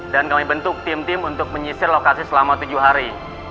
dan kami bentuk tim tim untuk menyisir lokasi selama tujuh hari